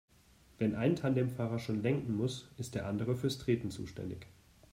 Wenn ein Tandemfahrer schon lenken muss, ist der andere fürs Treten zuständig.